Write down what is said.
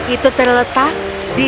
itu terletak di dalam diriku